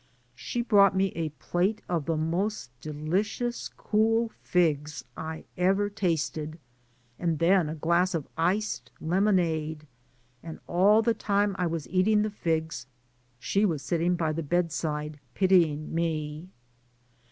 ^he brought me a plate of the most delicious cool figs I ever tasted, and then a glass of iced lemonade, and all the time I was eating the figs she was sitting by the bed side pitying me.